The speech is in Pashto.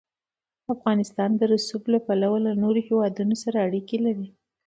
افغانستان د رسوب له پلوه له نورو هېوادونو سره اړیکې لري.